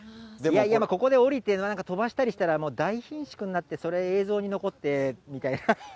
ここで降りて、なんか飛ばしたりしたら、もう大ひんしゅくになって、それ、映像に残ってみたいな。